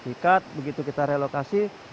sertifikat begitu kita relokasi